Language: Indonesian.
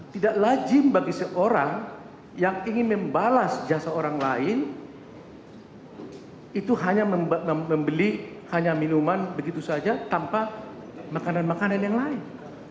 tidak lazim bagi seorang yang ingin membalas jasa orang lain itu hanya membeli hanya minuman begitu saja tanpa makanan makanan yang lain